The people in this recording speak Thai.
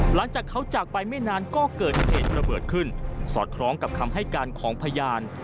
หลังจากเขาจากไปไม่นานก็เกิดเหตุระเบิดขึ้นสอดคล้องกับคำให้การของพยาน